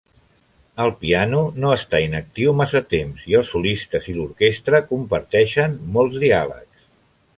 El piano no està inactiu massa temps i els solistes i l'orquestra comparteixen molts diàlegs.